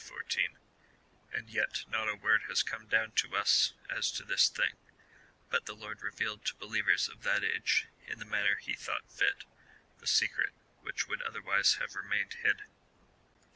14,) and yet not a word has come down to us as to this tiling,^ but the Lord revealed to believers of that age, in the manner he thought fit, the secret, which would otherwise have re mained hid.